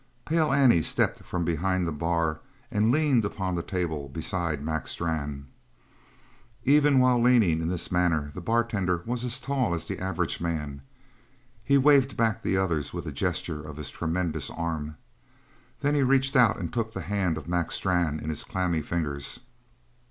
Pale Annie stepped from behind the bar and leaned upon the table beside Mac Strann. Even while leaning in this manner the bartender was as tall as the average man; he waved back the others with a gesture of his tremendous arm. Then he reached out and took the hand of Mac Strann in his clammy fingers.